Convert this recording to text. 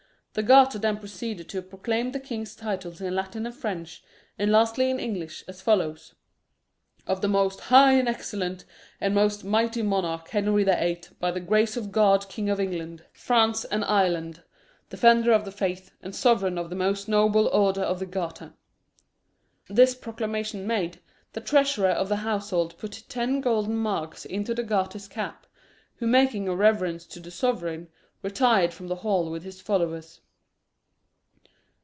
The Garter then proceeded to proclaim the king's titles in Latin and French, and lastly in English, as follows: "Of the most high, most excellent, and most mighty monarch, Henry the Eighth, by the grace of God King of England, France, and Ireland, Defender of the Faith, and Sovereign of the most noble Order of the Garter." This proclamation made, the treasurer of the household put ten golden marks into the Garter's cap, who making a reverence to the sovereign, retired from the hall with his followers.